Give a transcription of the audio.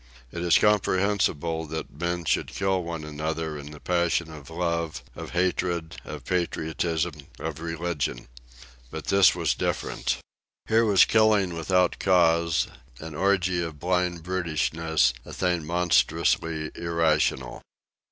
It is comprehensible that men should kill one another in the passion of love, of hatred, of patriotism, of religion. But this was different. Here was killing without cause, an orgy of blind brutishness, a thing monstrously irrational.